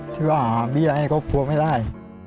เชื่อว่ามีอะไรก็กลัวไม่ได้